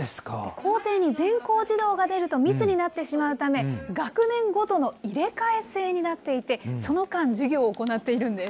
校庭に全校児童が出ると密になってしまうため、学年ごとの入れ替え制になっていて、その間、授業を行っているんです。